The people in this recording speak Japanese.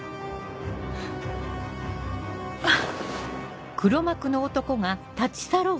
あっ。